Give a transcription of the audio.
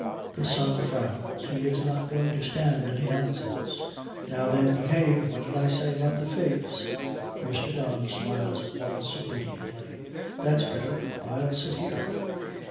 The son frowns. He is not going to stand any nonsense. 'Now then, behave! What did I say about that face?' Mr. Don smiles at once, obediently. 'That's better. I'll sit here.'